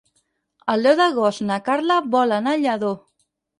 El deu d'agost na Carla vol anar a Lladó.